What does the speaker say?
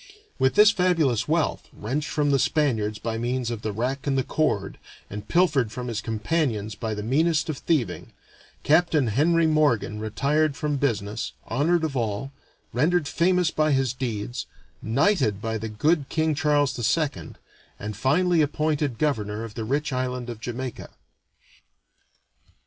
With this fabulous wealth, wrenched from the Spaniards by means of the rack and the cord, and pilfered from his companions by the meanest of thieving, Capt. Henry Morgan retired from business, honored of all, rendered famous by his deeds, knighted by the good King Charles II, and finally appointed governor of the rich island of Jamaica.